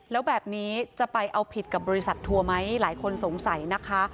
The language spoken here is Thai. แล้วแบบนี้จะไปเอาผิดกับบริษัททัวร์ไหมหลายคนสงสัยนะคะ